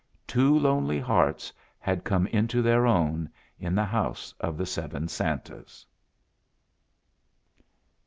Two lonely hearts had come into their own in the House of the Seven Santas!